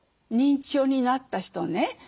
認知症になった人ね。